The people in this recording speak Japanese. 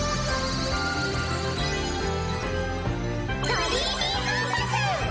ドリーミーコンパス！